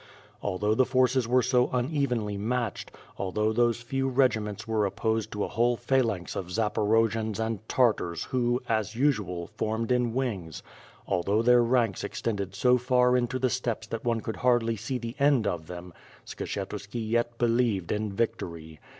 Although the forces were so unevenly matched, although these few regiments were opposed to a whole phalanx of Zaporojians and Tartars who, as usual, formed in wings, although their ranks extended so far into the steppes that one could hardly see the end of them, Skshetuski yet believed in victory.